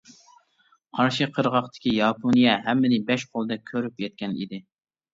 قارشى قىرغاقتىكى ياپونىيە ھەممىنى بەش قولدەك كۆرۈپ يەتكەن ئىدى.